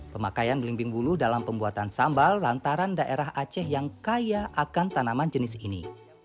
pemakaian belimbing bulu dalam pembuatan sambal lantaran daerah aceh yang kaya akan tanaman jenis ini